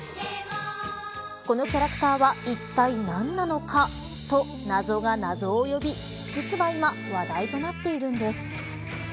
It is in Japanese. このキャラクターはいったい何なのかと謎が謎を呼び実は今話題となっているんです。